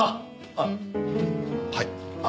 あっはい。